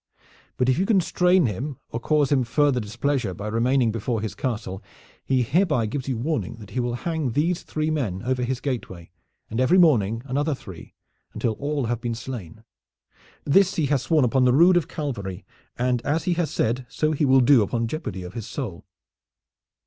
But if you constrain him or cause him further displeasure by remaining before his castle he hereby gives you warning that he will hang these three men over his gateway and every morning another three until all have been slain. This he has sworn upon the rood of Calvary, and as he has said so he will do upon jeopardy of his soul."